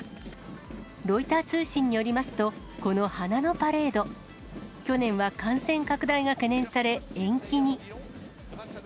ロイター通信によりますと、この花のパレード、去年は感染拡大が懸念され、延期に。